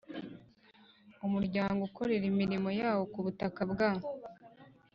Umuryango ukorera imirimo yawo ku butaka bwa